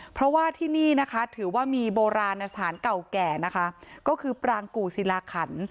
เพราะว่าที่นี่ถือว่ามีโบราณอสถานเก่าแก่ก็คือปรางกุศิลาขันฯ